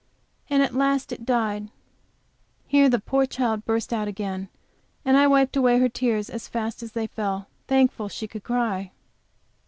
And at last it died." Here the poor child burst out again, and I wiped away her tears as fast as they fell, thankful that she could cry.